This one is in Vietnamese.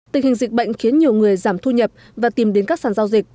tình hình dịch bệnh khiến nhiều người giảm thu nhập và tìm đến các sản giao dịch